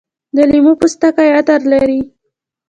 د لیمو پوستکي عطر لري.